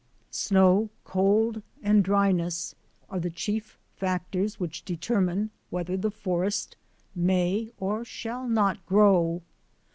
Snow, cold, and dryness are the chief factors which determine where the forest may or shall not grow.